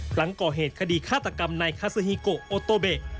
หลังก่อเหตุคดีฆาตกรรมในคาซาฮีโกโอโตเบะ